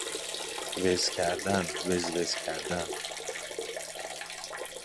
وزکردن وزوزکردن